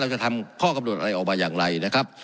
จะทำข้อกำหนดอะไรออกมาอย่างไรนะครับ